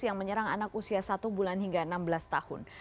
yang menyerang anak usia satu bulan hingga enam belas tahun